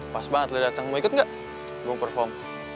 pas banget lo dateng mau ikut gak gue mau perform